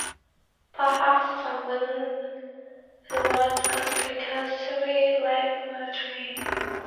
Perhaps some woman who was conspicuously late for the train.